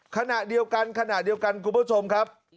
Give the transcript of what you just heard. ขณะเดียวกันครับคุณผู้ชมครับ